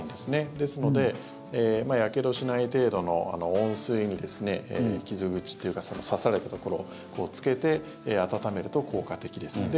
ですのでやけどしない程度の温水に傷口というか刺されたところをつけて温めると効果的です。